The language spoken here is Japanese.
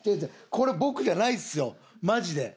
これ僕じゃないですよマジで。